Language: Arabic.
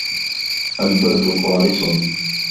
الْبَرْدُ قَارِسٌ.